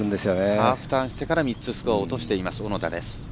ハーフターンしてから３つスコアを落としている小野田。